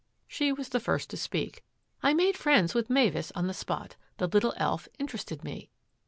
She was the first to speak. ^^ I made friends with Mavis on the spot. The little elf interested me.